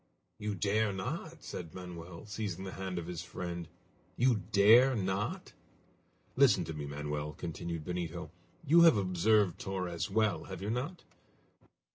"You dare not?" said Manoel, seizing the hand of his friend. "You dare not?" "Listen to me, Manoel," continued Benito. "You have observed Torres well, have you not?